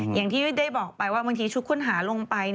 อย่างที่ได้บอกไปว่าบางทีชุดค้นหาลงไป